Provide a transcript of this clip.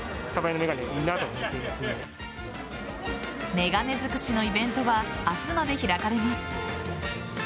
眼鏡づくしのイベントは明日まで開かれます。